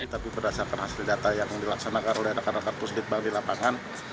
tapi berdasarkan hasil data yang dilaksanakan oleh rekan rekan pusdik bali lapangan